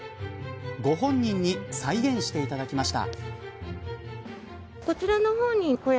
ご本人に再現していただきました。